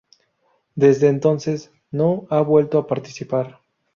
Desde entonces no ha vuelto a participar.